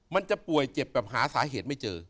มันจะป่วยเจ็บแบบหาสาเหตุไม่เจอ